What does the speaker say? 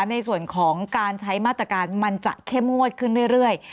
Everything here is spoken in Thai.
ในส่วนของการใช้มาตรการมันจะเข้มงวดขึ้นเรื่อย